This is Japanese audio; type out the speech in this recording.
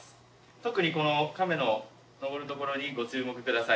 特にこのカメの登るところにご注目ください。